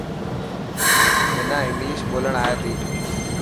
منا انگلش ٻولڻ آئي تي.